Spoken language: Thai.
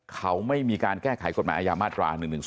เขาไม่มีการแก้ไขกฎหมายอาญามาตรา๑๑๒